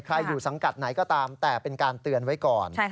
อยู่สังกัดไหนก็ตามแต่เป็นการเตือนไว้ก่อน